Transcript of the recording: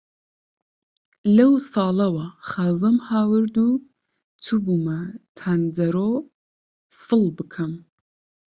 لەو ساڵەوە خازەم هاورد و چووبوومە تانجەرۆ سڵ بکەم،